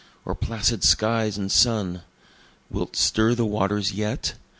Or placid skies and sun? Wilt stir the waters yet?